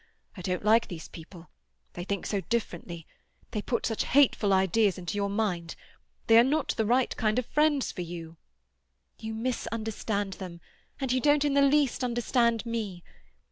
I don't like these people—they think so differently—they put such hateful ideas into your mind—they are not the right kind of friends for you—" "You misunderstand them, and you don't in the least understand me.